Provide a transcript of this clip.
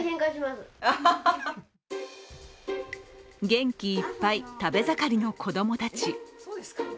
元気いっぱい食べ盛りの子供たち。